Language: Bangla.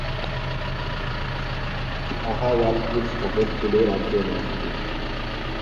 বাহাওয়ালপুর শহর ছিল রাজ্যের রাজধানী।